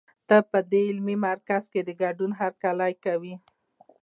ته په دې علمي مرکز کې د ګډون هرکلی کوي.